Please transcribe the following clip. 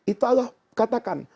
itu allah katakan